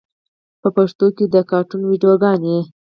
په پښتو کې د کاټون ویډیوګانې